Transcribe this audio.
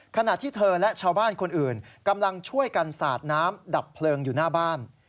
ขณะที่เธอและชาวบ้านคนอื่นกำลังช่วยกันสาดน้ำดับเพลิงอยู่หน้าบ้าน